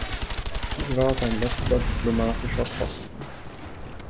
Dies war sein letzter diplomatischer Posten.